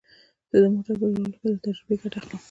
زه د موټرو په جوړولو کې له تجربې ګټه اخلم